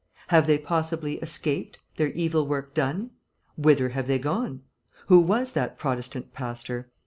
Have they, possibly, escaped, their evil work done? Whither have they gone? Who was that Protestant pastor?